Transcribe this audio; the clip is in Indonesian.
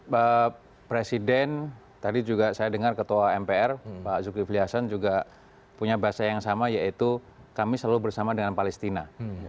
pak presiden tadi juga saya dengar ketua mpr pak zulkifli hasan juga punya bahasa yang sama yaitu kami selalu bersama dengan palestina